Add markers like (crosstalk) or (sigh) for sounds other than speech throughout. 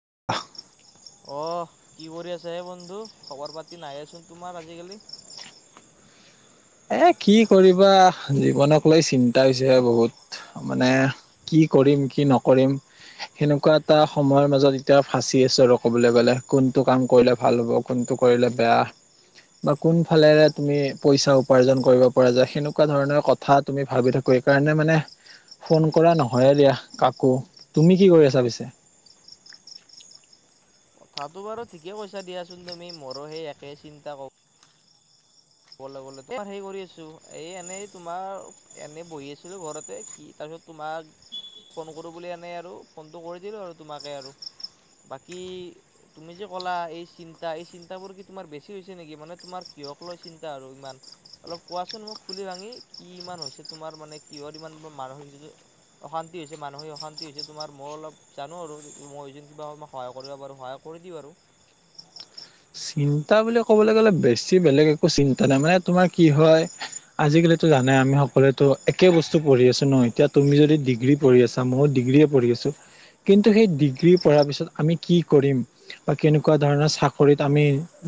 (unintelligible) অ কি কৰি আছে হে বন্ধু খবৰ পাতি নাইয়েচোন তোমাৰ আজিকালি- এ কি কৰিবা জীৱনক লৈ চিন্তা হৈছে বহুত মানে কি কৰিম কি নকৰিম সেনেকোৱা এটা সময়ৰ মাজত এতিয়া ফাঁচি আছো আৰু কবলৈ গ'লে কোনটো কাম কৰিলে ভাল হ'ব কোন কোনটো কৰিলে বেয়া বা কোনফালে তুমি পইচা উপাৰ্জন কৰিব পৰা যায় সেনেকুৱা ধৰণৰ কথা তুমি ভাবি থাকো এইকাৰণে মানে ফোন কৰা নহয় দিয়া কাকো তুমি কি কৰি আছা পিছে? (unintelligible) কথাতটো বাৰু ঠিকেই কৈছা দিয়াচোন তুমি মৰো সেই একে চিন্তা ক কবলেলেমাৰ সেই কৰি আছো এই এনেই তোমাৰ এনেই বহি আছিলো ঘৰতে কি তাৰ (unintelligible) তাৰপিছত তোমাক ফোন কৰোঁ বুলি আনে আৰু ফোনটো কৰি দিলোঁ আৰু তোমাকে আৰু বাকী তুমি যে কলা এই চিন্তা। - এই চিন্তা বোৰ কি তোমাৰ বেছি হৈছে নেকি মানে তোমাৰ কিহক লৈ চিন্তা আৰু ইমান অলপ কোৱাচোন মোক খুলি ভাঙি কি ইমান হৈছে। তোমাৰ মানে কিহৰ ইমান মানুহ এতিয়াটো অশান্তি হৈছে মানসিক অশান্তি হৈছে তোমাৰ মই অলপ জানো আৰু মই এই কিবা সহায় কৰিব পাৰো সহায়। কৰি দি বাৰো। (inaudible) চিন্তা বুলি ক'বলৈ গ'লে বেছি বেলেগ একো চিন্তা নাই মানে তোমাৰ কি হয় আজিকালিতো জানে আমি সকলোয়েতো একে বস্তু পঢ়ি আছো ন। এতিয়া তুমি যদি ডিগ্ৰী পঢ়ি আছা ময়ো ডিগ্ৰী পঢ়ি আছো। কিন্তু সেই ডিগ্ৰী পঢ়াৰ পিছত আমি কি কৰিম বা কেনেকুৱা ধৰণৰ চাকৰিত? আমি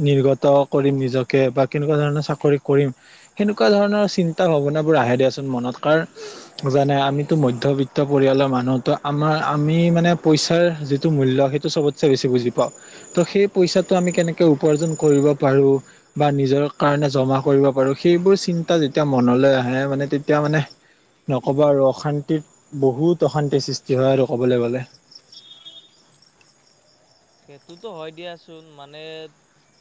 নিৰ্গত কৰিম নিজকে বা কেনেকুৱা ধৰণৰ চাকৰি কৰিম সেনেকুৱা ধৰণৰ চিন চিন্তা ভাৱনাবোৰ আহে দিয়াচোন মনত কাৰণ জানাই আমিতো মধ্যবিত্ত পৰিয়ালৰ মানুহতো আমাৰ আমি মানে পইচাৰ যিটো মূল্য সেইটো চবতে বেছি বুজি পাওঁ ত সেই পইচাত (inaudible) আমি কেনেকে উপাৰ্জন কৰিব পাৰো বা নিজৰ কাৰণে জমা কৰিব পাৰো। সেইবোৰ চিন্তা যেতিয়া মনলৈ আহে মানে তেতিয়া মানে নক'ব আৰু অশান্তিত বহুত অশান্তিৰ সৃষ্টি হয় আৰু ক'বলৈ গ'লে। (unintelligible) সেইটোতো হয় দিয়াচোন মানে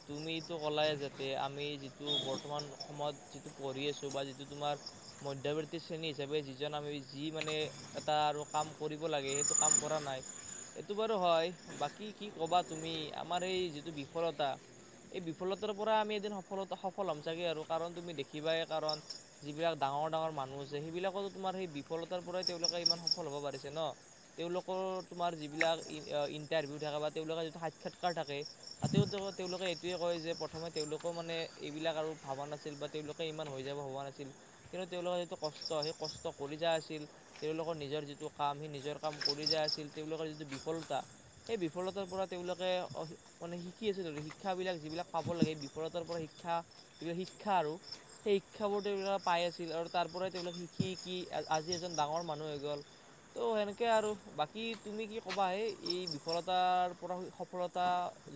তুমিতো ক'লাই যাতে আমি যিটো বৰ্তমান সময়ত যিটো পঢ়ি আছো বা যিটো তোমাৰ মধ্যবৰ্তী শ্ৰেণী হিচাপে যিজন আমি যি মানে এটা আৰু কাম কৰিব লাগে সেইটো কাম কৰা নাই এইটো বাৰু হয় বাকী কি ক'বা? তুমি আমাৰ এই যিটো বিফলতা এই বিফলতাৰ পৰা আমি এদিন সফলতা সফল হ'ম ছাগে আৰু কাৰণ তুমি দেখিবাই কাৰণ যিবিলাক ডাঙৰ ডাঙৰ ডাঙৰ মানুহ আছে। সেইবিলাকতো তোমাৰ সেই বিফলতাৰ পৰাই তেওঁলোকে ইমান সফল হ'ব পাৰিছে ন। তেওঁলোকৰ তোমাৰ যিবিলাক ইণ্টাৰভিউ থাকা বা তেওঁলোকৰ যিটো সাক্ষাৎকাৰ থাকে। তাতেও তেওঁলোকে এইটোৱে কয় যে প্ৰথমে তেওঁলোকও মানে এইবিলাক আৰু ভবা নাছিল বা তেওলোকে ইমান হৈ যাব ভবা নাছিল কিন্তু তেওলোকৰ যিটো কষ্ট সেই কষ্ট কৰি যা আছিল। তেওঁলোকৰ নিজৰ যিটো কাম সেই নিজৰ কাম কৰি যাই আছিল। তেওঁলোকৰ যিটো বিফলতা সেই বিফলতাৰ পৰা তেওলোকে মানে শিকি আছে শিক্ষাবিলাক যিবিলাক পাব লাগে বিফলতাৰ পৰা শিক্ষা এইবিলাক শিক্ষা আৰু সেই শিক্ষাবোৰ তেওঁবিলাক পাই আছিল আৰু তাৰ পৰাই তেওঁবিলাক শিকি শিকি আজি এজন ডাঙৰ মানুহ হৈ গ'ল। ত' সেনেকে আৰু বাকী তুমি কি কবা সেই এই বিফলত পৰা সফলতা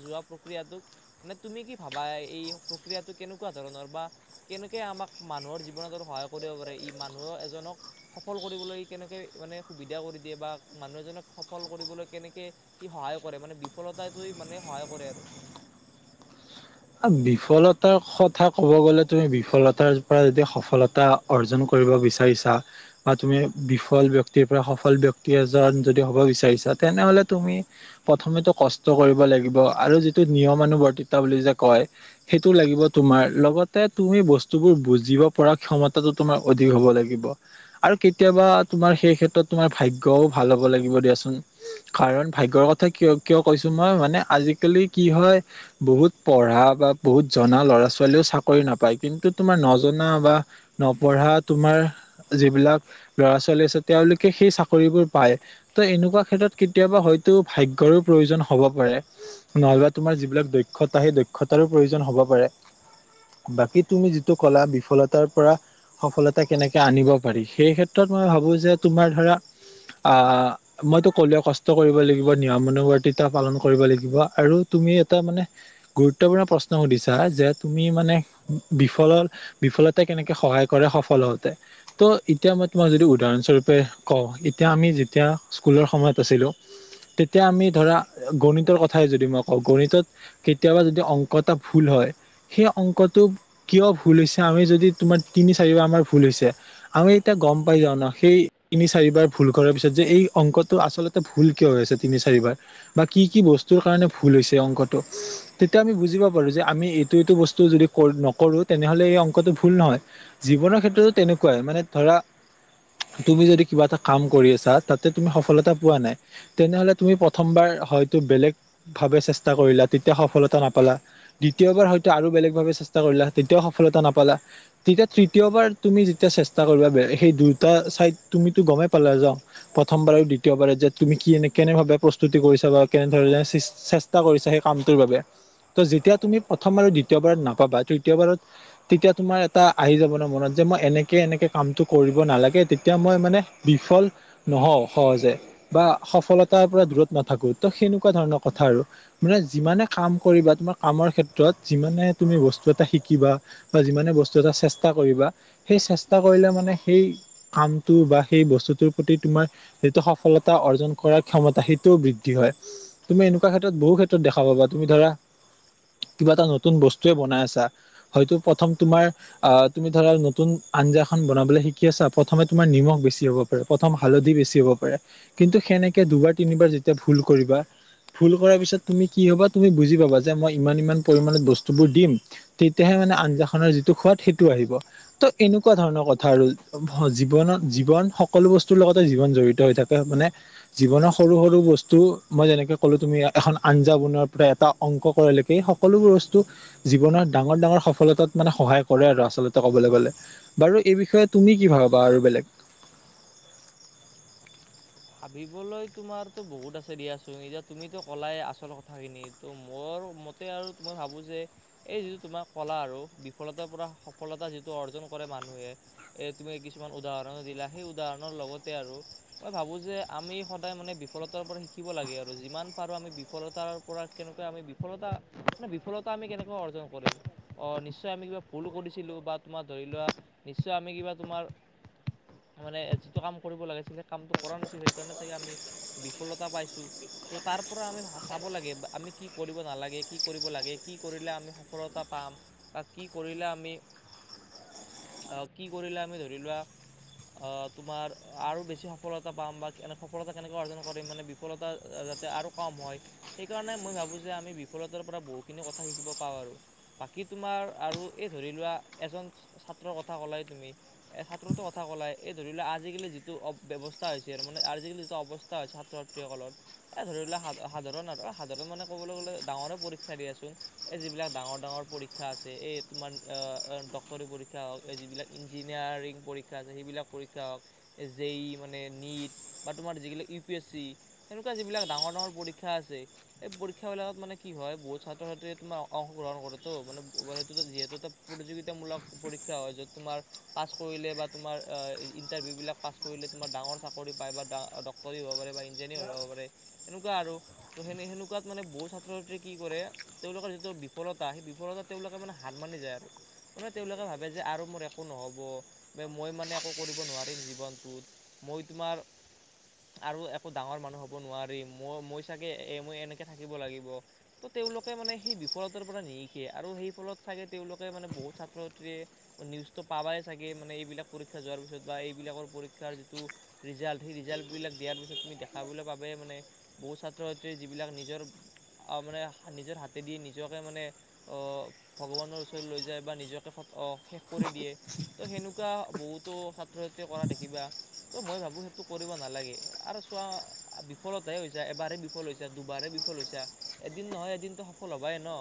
যোৱা প্ৰক্ৰিয়টোক মানে তুমি কি ভাবা এই প্ৰক্ৰিয়াটো? কেনেকুৱা ধৰণৰ বা কেনেকে আমাক মানুহৰ জীৱনতো সহায় কৰিব পাৰে। ই মানুহৰ এজনক সফল কৰিবলৈ কেনেকে মানে সুবিধা কৰি দিয়ে বা মানুহ এজনক সফল কৰিবলৈ কেনেকে ই সহায় কৰে মানে বিফলতাটো মানে সহায় কৰে আৰু বিফলতাৰ কথা কব গ'লে তুমি বিফলতাৰ পা যদি সফলতা অৰ্জন কৰি। কৰিব বিচাৰিছা বা তুমি বিফল ব্যক্তি পৰা সফল ব্যক্তি এজন হ'ব বিচাৰিছা। তেনেহলে তুমি প্ৰথমেটো কষ্ট কৰিব লাগিব আৰু যিটো নিয়মানুবৰ্তিতা বুলি যে কয় সেইটো লাগিব। তোমাৰ লগতে তুমি বস্তুবোৰ বুজিব পৰা ক্ষমতা তোমাৰ অ' হ'ব লাগিব আৰু কেতিয়াবা তোমাৰ সেই ক্ষেত্ৰত তোমাৰ ভাগ্যও ভাল হ'ব লাগিব দিয়াচোন। কাৰণ ভাগ্যৰ কথা কিয় কিয় কৈছো। মই মানে আজিকালি কি হয় বহুত পঢ়া বা বহুত জনা ল'ৰা ছোৱালীও চাকৰি নাপায় কিন্তু তোমাৰ নজনা বা নপঢ়া। পঢ়া তোমাৰ যিবিলাক ল'ৰা ছোৱালী আছে তেওলোকে সেই চাকৰিবোৰ পায় ত এনেকুৱা ক্ষেত্ৰত কেতিয়াবা হয়তো ভাগ্যৰো প্ৰয়োজন হ'ব পাৰে নহ'বা। তোমাৰ যিবিলাক দক্ষ দক্ষতা হে দক্ষতাৰো প্ৰয়োজন হ'ব পাৰে। বাকী তুমি যিটো কলা বিফলতাৰ পৰা সফলতা কেনেকে আনিব পাৰি সেই ক্ষেত্ৰত মই ভাবো যে তোমাৰ ধৰা আ মইতো কলোৱেই কষ্ট কৰিব লাগিব। নিয়মানুবৰ্তিতা পালন কৰিব লাগিব আৰু তুমি এটা মানে গুৰুত্বপূৰ্ণ প্ৰশ্ন সুধিছা যে তুমি মানে বিফল বিফলতা কেনেকে সহায় কৰে সফল হওঁতে ত এতিয়া মই তোমাক যদি উদাহৰণ স্বৰূপে কওঁ এতিয়া আমি যেতিয়া স্কুলৰ সময়ত আছিলো তেতিয়া আমি ধৰা গণিতৰ কথাই যদি মই কওঁ গণিতত। কেতিয়াবা যদি অংক এটা ভুল হয়। সেই অংকটোক কিয় ভুল হৈছে আমি যদি তোমাৰ তিনি চাৰিবাৰ আমাৰ ভুল হৈছে আমি এতিয়া গম পাই যাও ন সেই তিনি চাৰিবাৰ ভুল কৰাৰ পিছত যে এই অংকটো আচলতে ভুল কিয় হৈ আছে তিনি চাৰি বাৰ বা কি কি বস্তু কাৰণে ভুল হৈছে অংক তেতিয়া আমি বুজিব পাৰো যে আমি এইটো এইটো বস্তু যদি নকৰো তেনেহলে এই অংকটো ভুল নহয়। জীৱনৰ ক্ষেত্ৰটো তেনেকুৱাই। মানে ধৰা তুমি যদি কিবা এটা কাম কৰি আছা তাতে তুমি সফলতা পোৱা নাই। তেনেহলে তুমি প্ৰথমবাৰ হয়তো বেলেগ ভাৱে চেষ্টা কৰিলা তেতিয়া সফলতা নাপালা। দ্বিতীয়বাৰ হয়তো আৰু বেলেগ ভাৱে চেষ্টা কৰিলা, তেতিয়াও সফলতা নাপালা। তেতিয়া তৃতীয়বাৰ তুমি যেতিয়া চেষ্টা কৰিবা সেই দুয়টা চাইদ তুমিটো গমেই পালা যা প্ৰথমবাৰে দ্বিতীয়বাৰে যে তুমি কিনে কেনেভাৱে প্ৰস্তুতি কৰিছা বা কেনেধৰণে চেষ্টা কৰিছা কামটোৰ বাবে। ত যেতিয়া তুমি প্ৰথম আৰু দ্বিতীয়বাৰত নাপাবা। তৃতীয় বাৰত তেতিয়া তোমাৰ এটা আহি যাব ন মনত যে মই এনেকে এনেকে কামটো কৰিব নালাগে তেতিয়া মই মানে বিফল নহওঁ সহজে বা সফলতাৰ পৰা দূৰত নাথাকো ত সেনেকুৱা ধৰণৰ কথা আৰু মানে যিমানে কাম কৰিবা, তোমাৰ কামৰ ক্ষেত্ৰত যিমানে তুমি বস্তু এটা শিকিবা বা যিমানে বস্তু এটা চেষ্টা কৰিবা। সেই চেষ্টা কৰিলে মানে সেই কামটোৰ বা বস্তুটোৰ প্ৰতি তোমাৰ যিটো সফলতা অৰ্জন কৰাৰ ক্ষমতা, সেইটোও বৃদ্ধি হয় তুমি এনেকুৱা ক্ষেত্ৰত বহু দেখা পাবা তুমি ধৰা কিবা এটা নতুন বস্তুৱে বনাই আছা হয়তো প্ৰথম তোমাৰ আহ তুমি ধৰা নতুন আঞ্জা খন বনাবলৈ শিকি আছা প্ৰথমে তোমাৰ নিমখ বেছি হ'ব পাৰে প্ৰথম হালধি বেছি হ'ব পাৰে কিন্তু। হেনেকে দুবাৰ তিনিবাৰ যেতিয়া ভুল কৰিবা ভুল কৰাৰ পাছত তুমি কি হবা তুমি বুজি পাবা যে মই ইমান ইমান পৰিমানত বস্তু বোৰ দিম। ত তেতিয়াহে মানে আঞ্জা খনৰ যিটো সোৱাদ সেইটো আহিব। ত এনেকুৱা ধৰণৰ কথা আৰু জীৱনত জীৱন সকলো বস্তুৰ লগ জীৱন জড়িত হৈ থাকে। মানে জীৱনৰ সৰু সৰু বস্তু মই যেনেকে ক'লো তুমি এখন আঞ্জা বনোৱাৰ পৰা এটা অংক কৰালৈকে এই সকলোবোৰ বস্তু জীৱনত ডাঙৰ ডাঙৰ সফলতাত মানে সহায় কৰে আৰু আচলতে কবলৈ গলে। বাৰু এই বিষয়ে তুমি কি ভাবা আৰু বেলেগ? (unintelligible) ভাবিবলৈ তোমাৰতো বহুত আছে দিয়াচোন এতিয়া তুমিতো ক'লাই আচল কথাখিনি তো মোৰ মতে আৰু ত মই ভাবো যে এই যিটো তোমাৰ কলা আৰু বিফলতাৰ পৰা সফলতা যিটো অৰ্জন কৰে মানুহে। এ তুমি কিছুমান উদাহৰণো দিলা। সেই উদাহৰণৰ লগতে আৰু মই ভাবো যে আমি সদায় মানে বিফলতাৰ পৰা শিকিব লাগে আৰু যিমান পাৰো আমি বিফলতাৰ পৰা কেনেকৈ আমি বিফলতা মানে বিফলতা আমি কেনেকৈ অৰ্জন কৰিম অ নিশ্চয় আমি কিবা ভুল কৰিছিলো বা তোমাৰ ধৰি লোৱা। নিশ্চয় আমি কিবা তোমাৰ, মানে যিটো কাম কৰিব লাগিছিলে সেই কামটো কৰা নাছিল সেইকাৰণে চাগে আমি বিফলতা পাইছোঁ ত' তাৰ পৰা আমি চাব লাগে আমি কি। কৰিব নালাগে কি কৰিব লাগে কি কৰিলে আমি সফলতা পাম বা কি কৰিলে আমি (inaudible) আহ কি কৰিলে আমি ধৰি লোৱা আহ তোমাৰ আৰু বেছি সফলতা পাম বা কেনে সফলতা কেনেকৈ অৰ্জন কৰিম মানে বিফলতা যাতে আৰু কম হয় সেইকাৰণে মই ভাবোঁ ভাবো যে আমি বিফলতাৰ পৰা বহুখিনি কথা শিকিব পাওঁ আৰু বাকী তোমাৰ আৰু এই ধৰি লোৱা এজন ছাত্ৰৰ কথা ক'লাই তুমি। ছাত্ৰটোৰ কথা ক'লাই, এই ধৰি লোৱা আজিকালি যিটো অ ব্যৱছ হৈছে আৰু মানে আজিকালি যিটো অৱস্থা হয় ছাত্ৰ ছাত্ৰীসকলৰ। এ ধৰি লোৱা সাধাৰণ সাধাৰণ মানে কবলৈ গলে ডাঙৰে পৰীক্ষা দিয়ান এই যিবিলাক ডাঙৰ ডাঙৰ পৰীক্ষা আছে এই তোমাৰ ডাক্তৰী পৰীক্ষা হওক যিবিলাক ইঞ্জিনিয়াৰিং পৰীক্ষা আছে সেইবিলাক পৰীক্ষা হওক এ যে ই মানে নিট বা তোমাৰ যিগিলাক ইউ পি এছ চি হেনেকুৱা যিবিলাক ডাঙৰ ডাঙৰ পৰীক্ষা আছে। পৰীক্ষা বিলাকত মানে কি হয় বহুত ছাত্ৰ ছাত্ৰীয়ে তোমাৰ অংশগ্ৰহণ কৰেটো মানে যিহেতু এটা প্ৰতিযোগী তা মূলক পৰীক্ষা হয়। যত তোমাৰ পাছ কৰিলে বা তোমাৰ ইণ্টাৰভিউ বিলাক পাছ কৰিলে। কোনাবা ডাঙৰ চাকৰি পায় বা ডা ডক্টৰি হ'ব পাৰে বা ইঞ্জিনিয়াৰ হ'ব পাৰে তেনেকুৱা আৰু সেনে সেনো কবাত মানে বহু ছাত্ৰ- ছাত্ৰীয়ে কি কৰে, তেওঁলোকৰ যিটো বিফলতা সেই বিফলতা তেওঁলোকে মানে হাত মানি যায় আৰু। মানে তেওঁলোকে ভাবে যে আৰু মোৰ একো নহ'ব বা মই মানে একো কৰিব নোৱাৰিম জীৱনটোত। মই তোমাৰ আৰু একো ডাঙৰ মানুহ হব নোৱাৰি। মই মই চাগে এ মই এনেকে থাকিব লাগিব ত তেওঁলোকে মানে সেই বিফলতাৰ পৰা নিশিকে আৰু সেই ফলত চাগে তেওঁলোকে মানে বহুত ছাত্ৰ - ছাত্ৰীয়ে নিউজটো পাবাই চাগে মানে এইবিলাক পৰীক্ষা যোৱাৰ পিছত বা এইবিলাকৰ পৰীক ৰিজাল যিটো, ৰিজাল ধে ৰিজালবিলাক দিয়াৰ পিছত তুমি দেখাবলে পাবে মানে বহু ছাত্ৰ- ছাত্ৰী জী বিলাক নিজৰ, অ মানে হা নিজৰ হাতেদি নিজকে মানে অ ভগবানৰ ওচৰ লৈ লৈ যায় বা নিজকে শেষ কৰি দিয়ে, ত' সেনেকুৱা বহুতো ছাত্ৰ -ছাত্ৰীয়ে কৰা দেখিবা। ত মই ভাবো সেইটো কৰিব নালাগে আৰু চোৱা বিফলত হৈছে এবাৰ বিফল হৈছে দুবা তাৰে বিফল হৈছা, এদিন নহয় এদিন ত সফল হবাই ন,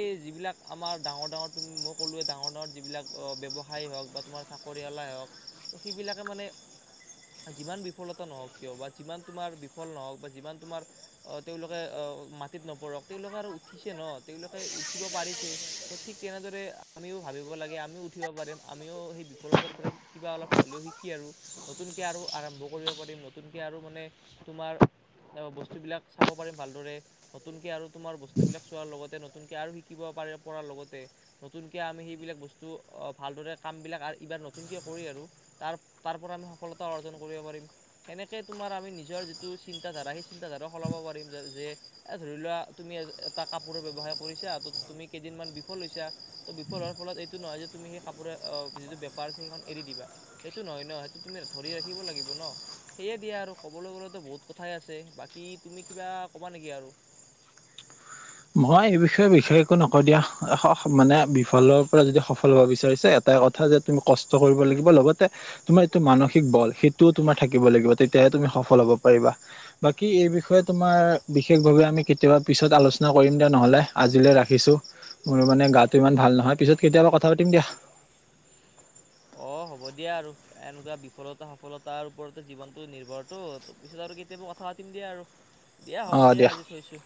এই যিবিলাক আমাৰ ডাঙৰ ডাঙৰ তুম মই কলোঁৱে ডাঙৰ -ডাঙৰ যিবিলাক ব্যৱসায়ী হওঁক বা তোমাৰ চাকৰিয়ালেই হওঁক, তো সেইবিলাকে মানে (unintelligible) যিমান বিফলতা নহওঁক কিয় বা যিমান তোমাৰ বিফল নহওক বা যিমান তোমাৰ অ তেওঁলোকে অ মাটিত নপৰক, তেওঁলোকে আৰু উঠিছে ন তেওঁলোকে উঠিব পাৰিছে ত' ঠিক তেনেদৰে আমিওঁ ভাবিব লাগে আমিও উঠিব পাৰিম আমিও সেই বিফলতাৰ পৰা কিবা অলপ হ'লেও শিকি আৰু নতুনকে আৰু আৰম্ভ কৰিব পাৰিম নতুনকে আৰু মানে তোমাৰ বস্তুবিলাক চাব পাৰিম ভালদৰে নতুনকে আৰু তোমাৰ বস্তুবিলাক চোৱাৰ লগতে নতুনকে আৰু শিকিব পাৰে, পৰাৰ লগতে নতুনকে আমি সেইবিলাক বস্তু ভালদৰে কামবিলাক এইবাৰ নতুনকে কৰি আৰু আৰু তাৰ তাৰ পৰা আমি সফলতা অৰ্জন কৰিব পাৰিম। সেনেকে তোমাৰ আমি নিজৰ যিটো চিন্তাধাৰা সেই চিন্তাধাৰাও সলাব (inaudible) যে এ ধৰি লোৱা তুমি এটা কাপোৰৰ ব্যৱসায় কৰিছা ত তুমি কেইদিনমান বিফল হৈছে ক্ষা ত বিফল হোৱাৰ ফলত এইটো নহয় যে তুমি সেই কাপোৰে যিটো বেপাৰ আছে সেইখন এৰি দিবা। সেই সেইটো নহয় ন, সেইটো তুমি ধৰি ৰাখিব লাগিব ন, সেয়ে দিয়া আৰু ক'বলৈ গলেতো বহুত কথাই আছে বাকী তুমি কিবা ক'বা নেকি আৰু? (unintelligible) মই এই বিষয়ে বিশেষ একো নক দিয়া মানে বিফলৰ পৰা যদি সফল হব বিচাৰিছে এট এটা কথা যে তুমি কষ্ট কৰিব লাগিব লগতে তোমাৰ যিটো মানসিক বল সেইটোও তোমাৰ থাকিব লাগিব তেতিয়া তুমি সফল হব পাৰিবা, বাকী এই বিষয়ে তোমাৰ বিশেষভাৱে আমি কেতিয়াবা পিছত আলোচ কৰিম দিয়া নহ'লে আজিলৈ ৰাখিছো। মোৰ মানে গাটো ইমান ভাল নহয়, পিছত কেতিয়াবা কথা পাতিম দিয়া। অ (unintelligible) হ'ব দিয়া আৰু এনেকুৱা বিফলতা সফলতাৰ ওপৰতে জীৱনটো নিৰ্ভৰটো, ত পিছত আৰু কেতিয়াবা কথা পাতি দিয়া আৰু দিয়া হ'ব দিয়া আজি থৈছো।